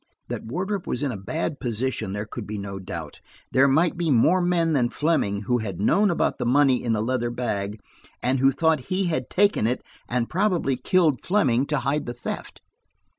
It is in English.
That Wardrop was in a bad position there could be no doubt; there might be more men than Fleming who had known about the money in the leather bag, and who thought he had taken it and probably killed Fleming to hide the theft.